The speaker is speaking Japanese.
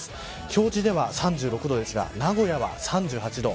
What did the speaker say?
表示では３６度ですが名古屋は３８度。